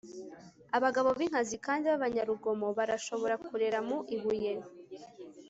Abagabo binkazi kandi babanyarugomo barashobora kurera mu ibuye